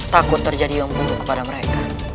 takut terjadi yang penuh kepada mereka